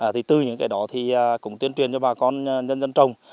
thì tư những cái đó thì cũng tuyên truyền cho bà con dân dân trồng